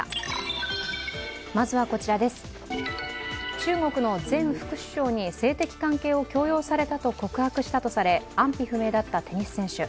中国の前副首相に性的関係を強要されたと告白したとされ安否不明だったテニス選手。